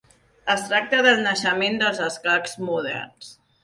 Es tracta del naixement dels escacs moderns.